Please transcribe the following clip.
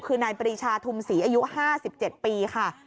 คือนายปรีชาทุมศรีอายุ๕๗ปีค่ะ